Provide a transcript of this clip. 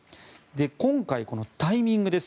今回、タイミングです。